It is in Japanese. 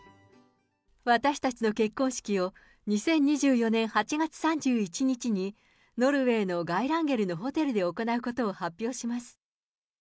私たちの結婚式を２０２４年８月３１日に、ノルウェーのガイランゲルのホテルで行うことを発表します。